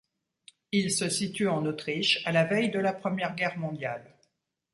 Il se situe en Autriche, à la veille de la Première Guerre mondiale.